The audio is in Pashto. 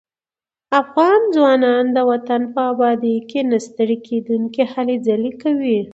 افغان ځوانان د وطن په ابادۍ کې نه ستړي کېدونکي هلې ځلې کوي.